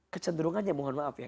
kecenderungannya mohon maaf ya